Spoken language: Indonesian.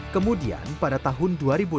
kemudian pada tahun dua ribu enam belas